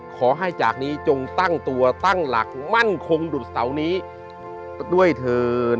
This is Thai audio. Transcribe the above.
ขอให้จากนี้จงตั้งตัวตั้งหลักมั่นคงดุดเสานี้ด้วยเถิน